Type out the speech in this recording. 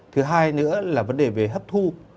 thứ hai nữa là vấn đề về hấp thu